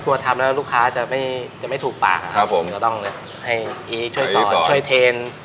ทำแล้วลูกค้าจะไม่จะไม่ถูกปากอ่ะครับผมก็ต้องให้อีช่วยซื้อช่วยเทน